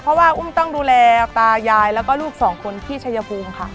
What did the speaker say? เพราะว่าอุ้มต้องดูแลตายายแล้วก็ลูกสองคนที่ชัยภูมิค่ะ